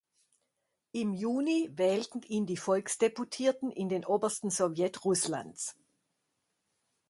Im Juni wählten ihn die Volksdeputierten in den Obersten Sowjet Russlands.